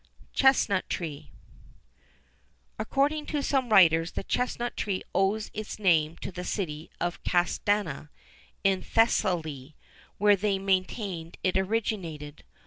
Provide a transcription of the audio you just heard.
CHESNUT TREE. According to some writers the chesnut tree owes its name to the city of Castana, in Thessaly, where they maintained it originated.